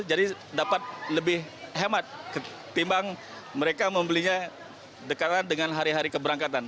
jadi dapat lebih hemat ketimbang mereka membelinya dekat dengan hari hari keberangkatan